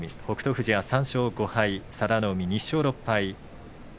富士は３勝５敗佐田の海は２勝６敗